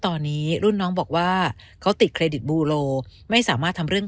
ตอนนี้รุ่นน้องบอกว่าเขาติดเครดิตบูโลไม่สามารถทำเรื่อง